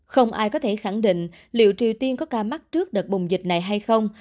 không ai có thể khẳng định liệu triều tiên có ca mắc trước đợt bùng dịch này hay không